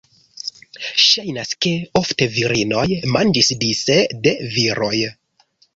Ŝajnas, ke ofte virinoj manĝis dise de viroj.